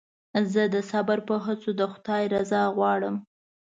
زه د صبر په هڅو د خدای رضا غواړم.